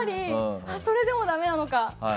それでもだめなのか。